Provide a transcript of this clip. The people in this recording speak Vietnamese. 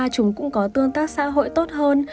chúng cũng có tương tác xã hội tốt hơn